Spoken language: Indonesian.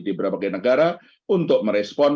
di berbagai negara untuk merespon